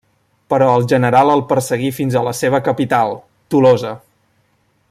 Però el general el perseguí fins a la seva capital, Tolosa.